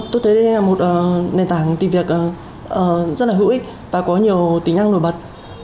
tôi thấy đây là một nền tảng tìm việc rất là hữu ích và có nhiều tính năng nổi bật